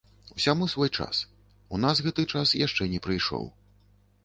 Усяму свой час, у нас гэты час яшчэ не прыйшоў.